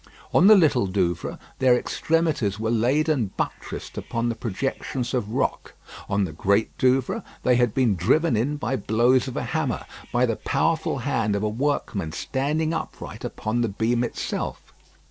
On the Little Douvre, their extremities were laid and buttressed upon the projections of rock. On the Great Douvre, they had been driven in by blows of a hammer, by the powerful hand of a workman standing upright upon the beam itself.